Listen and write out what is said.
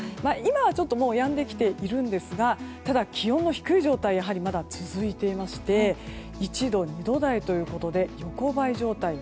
今はちょっともうやんできているんですが気温の低い状態がまだ続いていまして１度、２度台ということで横ばい状態。